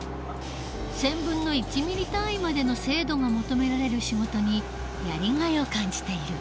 １０００分の１ミリ単位までの精度が求められる仕事にやりがいを感じている。